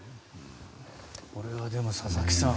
これはでも佐々木さん